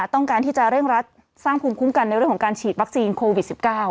ต้องการที่จะเร่งรัดสร้างภูมิคุ้มกันในเรื่องของการฉีดวัคซีนโควิด๑๙